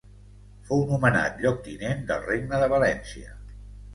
Fou nomenat Lloctinent del Regne de València.